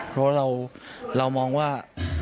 เพราะเรามองว่า